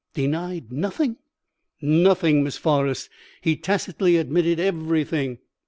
"'Denied nothing?' "'Nothing, Miss Forrest. He tacitly admitted everything.